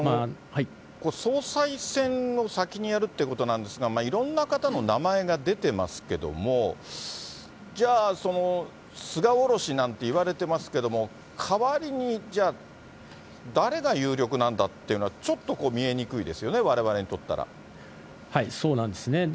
総裁選の先にやるということなんですが、いろんな方の名前が出てますけども、じゃあ、菅降ろしなんて言われてますけど、代わりにじゃあ、誰が有力なんだっていうのは、ちょっと見えにくいでそうなんですね。